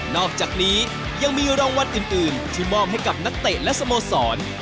อกจากนี้ยังมีรางวัลอื่นที่มอบให้กับนักเตะและสโมสร